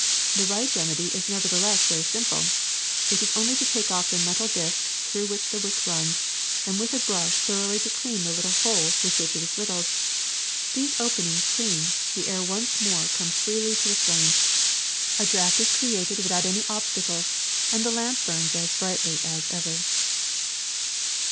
The right remedy is nevertheless very simple: it is only to take off the metal disk through which the wick runs, and with a brush thoroughly to clean the little holes with which it is riddled. These openings clean, the air once more comes freely to the flame, a draft is created without any obstacle, and the lamp burns as brightly as ever.''